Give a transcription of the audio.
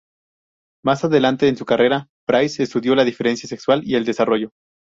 Más adelante en su carrera, Price estudió la diferenciación sexual y el desarrollo.